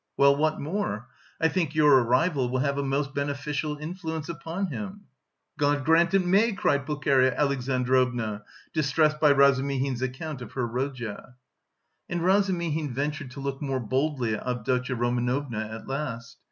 Well, what more? I think your arrival will have a most beneficial influence upon him." "God grant it may," cried Pulcheria Alexandrovna, distressed by Razumihin's account of her Rodya. And Razumihin ventured to look more boldly at Avdotya Romanovna at last.